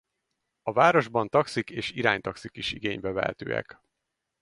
A városban taxik és iránytaxik is igénybe vehetőek.